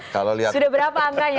kalau lihat sudah berapa angkanya